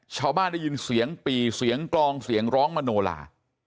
ได้ยินเสียงปี่เสียงกลองเสียงร้องมโนลา